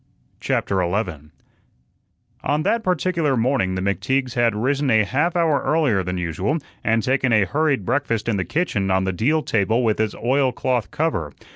CHAPTER 11 On that particular morning the McTeagues had risen a half hour earlier than usual and taken a hurried breakfast in the kitchen on the deal table with its oilcloth cover.